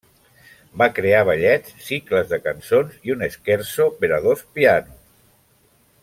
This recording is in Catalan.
Va crear ballets, cicles de cançons i un scherzo per a dos pianos.